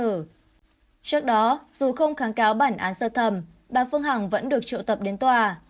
trước đó dù không kháng cáo bản án sơ thẩm bà phương hằng vẫn được triệu tập đến tòa